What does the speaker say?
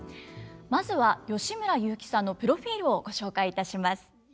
まずは吉村雄輝さんのプロフィールをご紹介いたします。